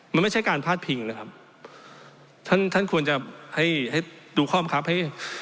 มันไม่ใช่การพาดพิงนะครับท่านท่านควรจะให้ให้ดูข้อบังคับให้